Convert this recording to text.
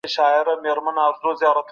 موږ بايد خپل وخت هم وساتو.